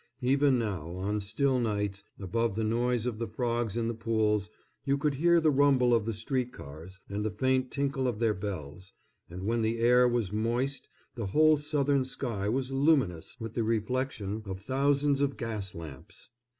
Even now, on still nights, above the noise of the frogs in the pools, you could hear the rumble of the street cars and the faint tinkle of their bells, and when the air was moist the whole southern sky was luminous with the reflection of thousands of gas lamps.